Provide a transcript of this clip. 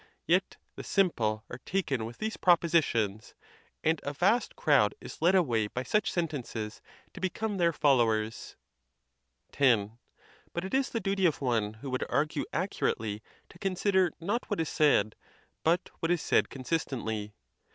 Yet the simple are taken with these propositions, and a vast crowd is led away by such sentences to become their fol lowers. X. But it is the duty of one who would argue accu rately to consider not what is said, but what is said con 174 THE TUSCULAN DISPUTATIONS. sistently.